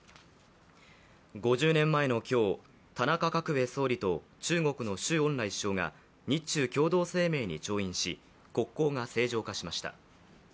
５０年前の今日、田中角栄総理と中国の周恩来首相が日中共同声明に調印し国交が正常化しました。